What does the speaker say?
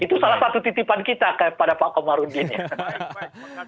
itu salah satu titipan kita kepada pak komarudin ya